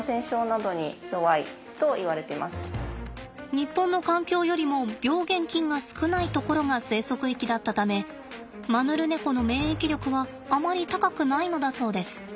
日本の環境よりも病原菌が少ない所が生息域だったためマヌルネコの免疫力はあまり高くないのだそうです。